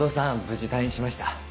無事退院しました。